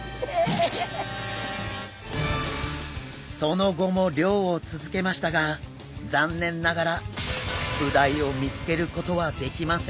その後も漁を続けましたが残念ながらブダイを見つけることはできませんでした。